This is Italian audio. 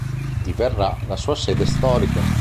Diverrà la sua sede storica.